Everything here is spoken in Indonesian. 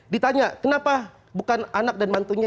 ditanya kenapa bukan anak dan mantunya